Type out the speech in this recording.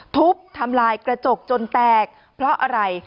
ทุบทำลายกระจกจนแตกเพราะอะไร